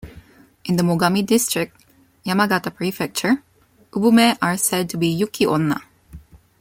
In the Mogami District, Yamagata Prefecture, ubume are said to be yuki-onna.